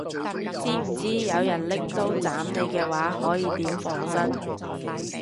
知唔知有人拎刀斬你嘅話可以點防身